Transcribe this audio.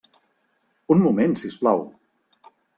Un moment, si us plau.